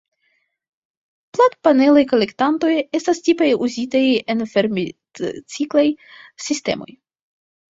Platpanelaj kolektantoj estas tipe uzitaj en fermitciklaj sistemoj.